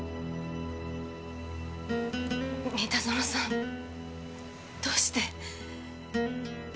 三田園さんどうして？